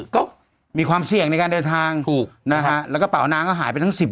ก็มีความเสี่ยงในการเดินทางถูกนะฮะแล้วกระเป๋านางก็หายไปทั้งสิบ